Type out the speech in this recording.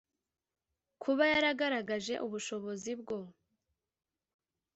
Kuba yaragaragaje ubushobozi bwo